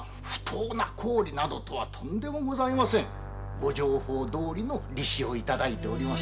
ご定法どおりの利子を頂いております。